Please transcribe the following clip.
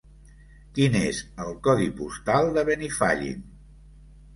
Quin és el codi postal de Benifallim?